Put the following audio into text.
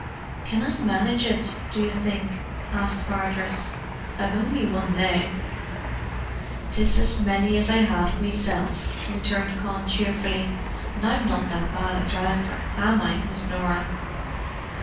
"Can I manage it, do you think?" asked Hardress. "I've only one leg." "'Tis as many as I have meself," returned Con cheerfully. "And I'm not that bad a driver, am I, Miss Norah?"